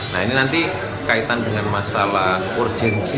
nah ini nanti kaitan dengan masalah urgensi